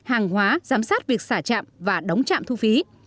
hàng hóa giám sát việc xả chạm và đóng chạm thu phí